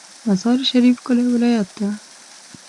مزار شریف ښکلی ولایت ده